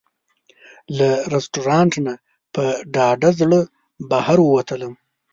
له رسټورانټ نه په ډاډه زړه بهر ووتلم.